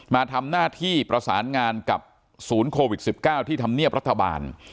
มาทำหน้าที่ประสานงานกับศูนย์โควิด๑๙ที่ทำเนียบรัฐบาล